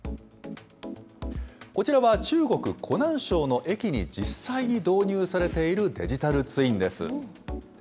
こちらは中国・湖南省の駅に実際に導入されているデジタルツインです。